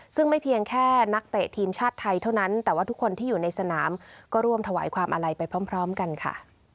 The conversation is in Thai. ซึ่งไม่เพียงแค่นักเตะทีมชาติไทยเท่านั้นแต่ว่าทุกคนที่อยู่ในสนามก็ร่วมถวายความอาลัยไปพร้อมกันค่ะ